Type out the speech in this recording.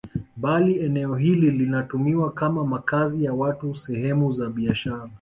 Bali eneo hili linatumiwa kama makazi ya watu sehemu za biashara